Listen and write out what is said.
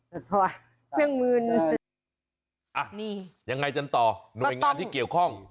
หกทอดเจ๊งมือนั้นนี่ยังไงจังต่อด้วยงานที่เกี่ยวข้อง